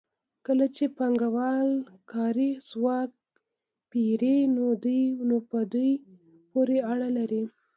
کله چې پانګوال کاري ځواک پېري نو په دوی پورې اړه لري